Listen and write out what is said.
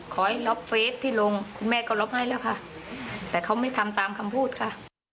ขอให้ล็อกเฟสที่ลงคุณแม่ก็ล็อกให้แล้วค่ะแต่เขาไม่ทำตามคำพูดค่ะ